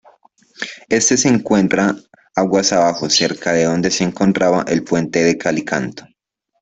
Este se encuentra aguas abajo cerca de donde se encontraba el puente de Calicanto.